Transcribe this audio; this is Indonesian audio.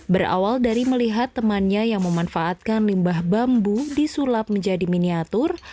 berawal dari melihat temannya yang memanfaatkan limbah bambu disulap menjadi miniatur